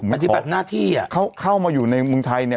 อันที่แบบหน้าที่อ่ะเข้าเข้ามาอยู่ในเมืองไทยเนี่ย